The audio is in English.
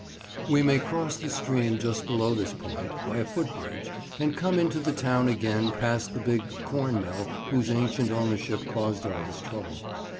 We may cross the stream just below this point, by a footbridge, and come into the town again past the big corn mill whose ancient ownership caused all this trouble.